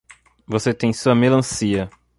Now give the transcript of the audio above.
Você tem sua melancia.